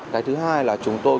cái thứ hai là chúng tôi